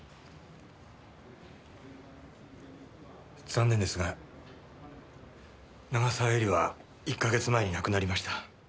残念ですが長澤絵里は１か月前に亡くなりました。